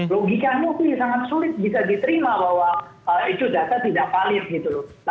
logikanya mungkin sangat sulit bisa diterima bahwa itu data tidak valid gitu lho